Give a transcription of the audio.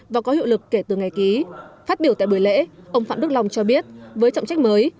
và có hiệu lực kể từ ngày ký phát biểu tại buổi lễ ông phạm đức long cho biết với trọng trách mới